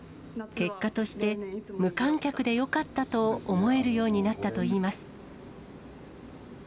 結果として、無観客でよかったと思えるようになったといいます。